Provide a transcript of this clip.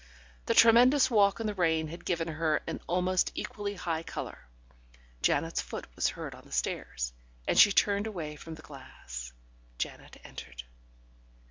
The tremendous walk in the rain had given her an almost equally high colour. Janet's foot was heard on the stairs, and she turned away from the glass. Janet entered.